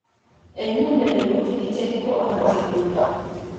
Ennyumba eyo tugiteekeko amategula.